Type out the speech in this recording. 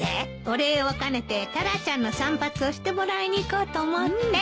お礼を兼ねてタラちゃんの散髪をしてもらいに行こうと思って。